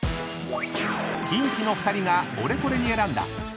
［キンキの２人がオレコレに選んだ］しかし。